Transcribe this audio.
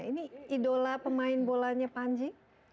ini idola pemain bolanya panji